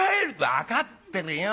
「分かってるよ。